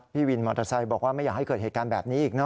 พี่วินมอเตอร์ไซค์บอกว่าไม่อยากให้เกิดเหตุการณ์แบบนี้อีกนะ